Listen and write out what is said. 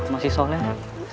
masih soleh ya